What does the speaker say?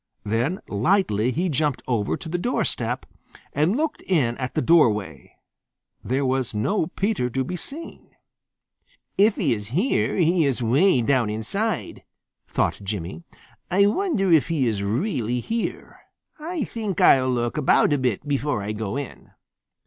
Then lightly he jumped over to the doorstep and looked in at the doorway. There was no Peter to be seen. "If he is here, he is way down inside," thought Jimmy. "I wonder if he really is here. I think I'll look about a bit before I go in."